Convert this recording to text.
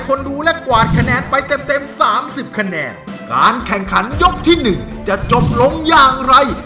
ครูก็ยังวิ่งอย่างนี้